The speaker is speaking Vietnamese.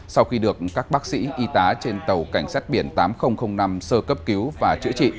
sau khi được các bác sĩ y tá trên tàu cảnh sát biển tám nghìn năm sơ cấp cứu và chữa trị